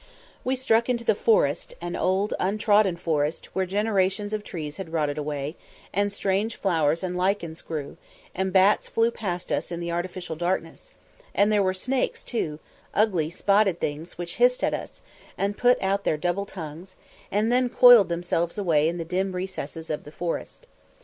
We struck into the forest, an old, untrodden forest, where generations of trees had rotted away, and strange flowers and lichens grew, and bats flew past us in the artificial darkness; and there were snakes too, ugly spotted things, which hissed at us, and put out their double tongues, and then coiled themselves away in the dim recesses of the forest.